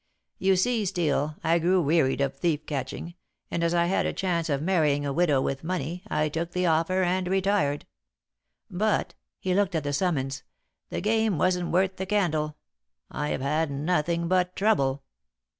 You see, Steel, I grew wearied of thief catching, and as I had a chance of marrying a widow with money, I took the offer and retired. But" he looked at the summons "the game wasn't worth the candle. I have had nothing but trouble.